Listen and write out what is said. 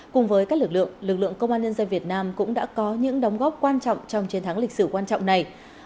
cùng với các lực lượng lực lượng công an nhân dân việt nam cũng đã có những đóng góp quan trọng trong chiến thắng lịch sử quan trọng này